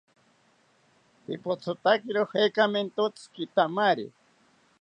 Pipothotakiro jekamentotzi kitamari